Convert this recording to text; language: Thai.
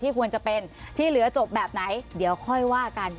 ควรจะเป็นที่เหลือจบแบบไหนเดี๋ยวค่อยว่ากัน